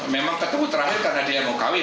memang ketemu terakhir karena dia mau kaw